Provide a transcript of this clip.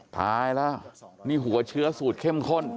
ตายแล้วนี่หัวเชื้อสูตรเข้มข้น